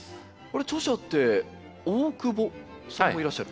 著者って「オオクボ」さんもいらっしゃる？